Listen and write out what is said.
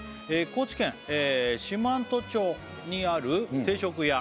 高知県四万十町にある定食屋